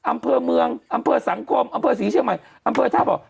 อำเภอเมืองอำเภอสังคมอำเภอศรีเชียงใหม่อำเภอท่าบ่อ